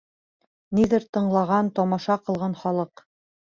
Ниҙер тыңлаған, тамаша ҡылған халыҡ.